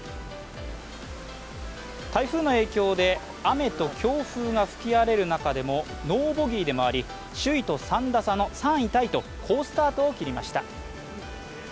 台風の影響で雨と強風が吹き荒れる中でもノーボギーで周り、首位と３打差の３位タイと好スタートを切りました。